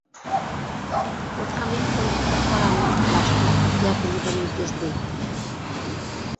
প্রথামিক পরীক্ষার পর আমি লাশটির পুঁতিয়া ফেলিবার নির্দেশ দেই।